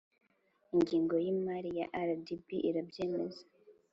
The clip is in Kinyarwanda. ingingo y imari ya rdb irabyemeza